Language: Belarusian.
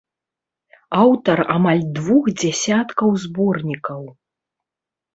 Аўтар амаль двух дзясяткаў зборнікаў.